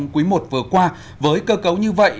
quý i vừa qua với cơ cấu như vậy